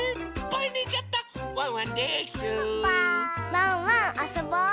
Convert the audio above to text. ワンワンあそぼう！